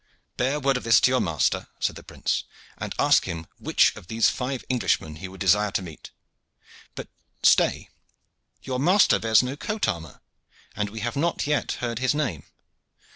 "Bear word of this to your master," said the prince, "and ask him which of these five Englishmen he would desire to meet. But stay; your master bears no coat armor, and we have not yet heard his name."